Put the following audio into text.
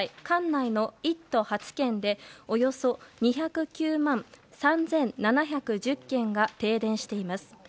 管内の１都８県でおよそ２０９万３７１０軒が停電しています。